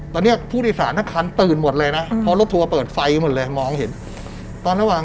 ตอนนี้ผู้โดยสารทางคัน